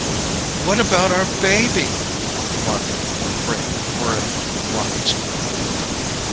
"What about our baby?" Martha Graham worriedly wanted to know.